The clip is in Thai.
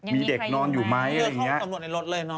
มีเด็กนอนอยู่ไหมอย่างเงี้ย